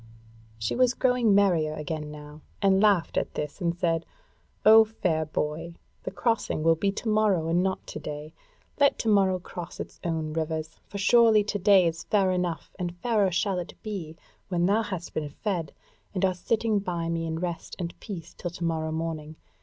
She was growing merrier again now, and laughed at this and said: "O fair boy! the crossing will be to morrow and not to day; let to morrow cross its own rivers; for surely to day is fair enough, and fairer shall it be when thou hast been fed and art sitting by me in rest and peace till to morrow morning.